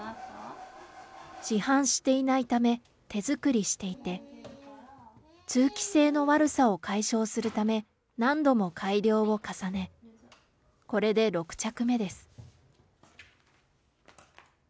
市販していないため、手作りしていて、通気性の悪さを解消するため、何度も改良を重ね、これで６着目です。